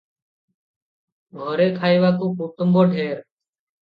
ଘରେ ଖାଇବାକୁ କୁଟୁମ୍ବ ଢେର ।